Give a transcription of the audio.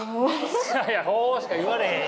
「ほお」しか言われへんやん！